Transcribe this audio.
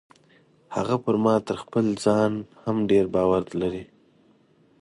هغه پر ما تر خپل ځان هم ډیر باور لري.